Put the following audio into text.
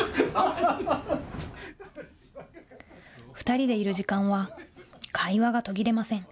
２人でいる時間は会話が途切れません。